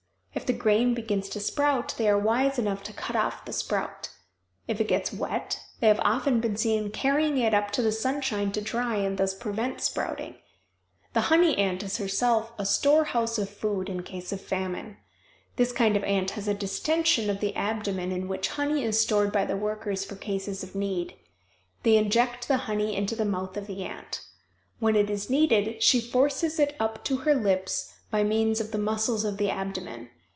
If the grain begins to sprout they are wise enough to cut off the sprout. If it gets wet they have often been seen carrying it up to the sunshine to dry and thus prevent sprouting. The honey ant is herself a storehouse of food in case of famine. This kind of ant has a distension of the abdomen in which honey is stored by the workers for cases of need. They inject the honey into the mouth of the ant. When it is needed she forces it up to her lips by means of the muscles of the abdomen.